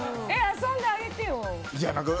遊んであげてよ！